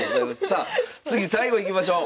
さあ次最後いきましょう。